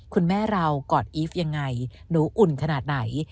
คุณแม่เรากอดอีฟยังไงหนูอุ่นขนาดไหน